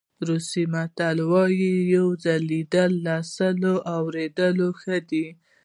روسي متل وایي یو ځل لیدل له سل اورېدلو ښه دي.